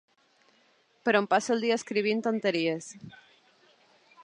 Però em passo el dia escrivint tonteries.